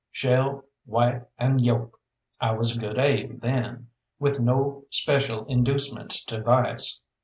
Shell, white, and yolk, I was a good egg then, with no special inducements to vice.